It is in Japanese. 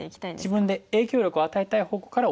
自分で影響力を与えたい方向からオサえていくと。